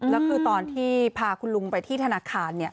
แล้วคือตอนที่พาคุณลุงไปที่ธนาคารเนี่ย